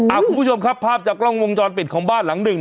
คุณผู้ชมครับภาพจากกล้องวงจรปิดของบ้านหลังหนึ่ง